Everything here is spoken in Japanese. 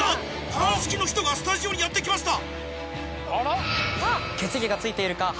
鑑識の人がスタジオにやって来ました！